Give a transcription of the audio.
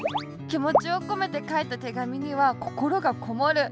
きもちをこめてかいたてがみにはこころがこもる。